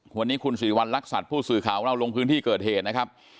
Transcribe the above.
วันนี้คุณสิริวัณรักษัตริย์ผู้สื่อข่าวของเราลงพื้นที่เกิดเหตุนะครับ